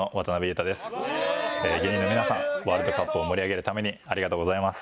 ワールドカップを盛り上げるためにありがとうございます。